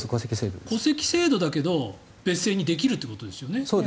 戸籍制度だけど別姓にできるということですよね。